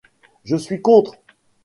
Je suis contre.